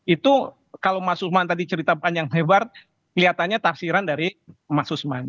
itu kalau mas usman tadi cerita panjang hebat kelihatannya tafsiran dari mas usman